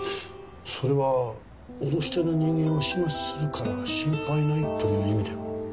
それは「脅してる人間を始末するから心配ない」という意味では？